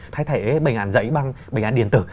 thay thế bệnh an giấy bằng bệnh an điện tử